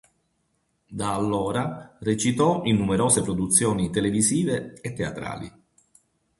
Da allora recitò in numerose produzioni televisive e teatrali.